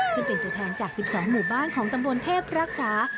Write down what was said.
ซึ่งเป็นตัวแทนจาก๑๒หมู่บ้านของตำบลเทพรักษา